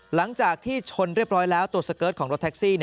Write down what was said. หลังจากที่ชนเรียบร้อยแล้วตัวสเกิร์ตของรถแท็กซี่